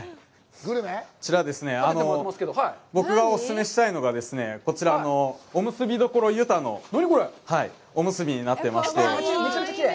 こちらですね、僕がお勧めしたいのが、こちらの、おむすび処ゆたのおむすびになっていまして、めちゃくちゃきれい！